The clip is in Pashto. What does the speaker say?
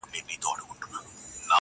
هر نظر دي زما لپاره د فتنو دی,